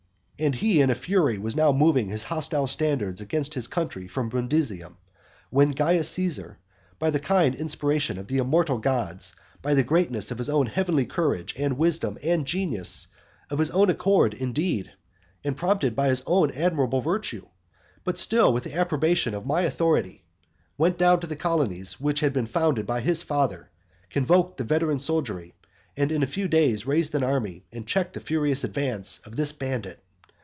And he in a fury was now moving his hostile standards against his country from Brundusium, when Caius Caesar, by the kind inspiration of the immortal gods, by the greatness of his own heavenly courage, and wisdom, and genius, of his own accord, indeed, and prompted by his own admirable virtue, but still with the approbation of my authority, went down to the colonies which had been founded by his father; convoked the veteran soldiery; in a few days raised an army; and checked the furious advance of this bandit.